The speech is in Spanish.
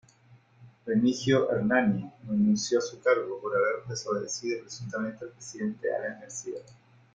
Remigio Hernani, renunció a su cargo, por haber desobedecido presuntamente al Presidente Alan García.